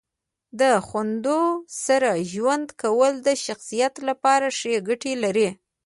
د خنداوو سره ژوند کول د شخصیت لپاره ښې ګټې لري.